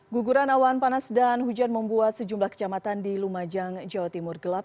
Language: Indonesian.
guguran awan panas dan hujan membuat sejumlah kecamatan di lumajang jawa timur gelap